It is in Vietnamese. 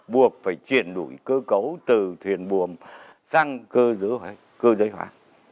buộc phải chuyển đuổi cơ cấu từ thuyền buồm sang cơ giới hóa